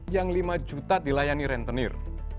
yang lima juta dilayani rentenir